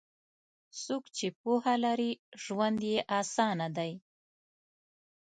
څوک چې پوهه لري، ژوند یې اسانه دی.